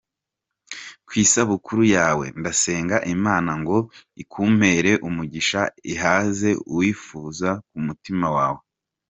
Ku isabukuru yawe ndasenga Imana ngo ikumpere umugisha ihaze ukwifuza k'umutima wawe.